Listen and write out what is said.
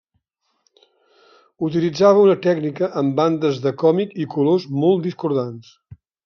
Utilitzava una tècnica amb bandes de còmic i colors molt discordants.